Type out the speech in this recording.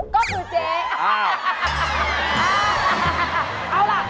ก็คือเจ๊ฮ่า